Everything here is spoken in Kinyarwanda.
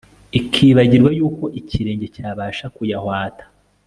Ikibagirwa yuko ikirenge cyabasha kuyahwata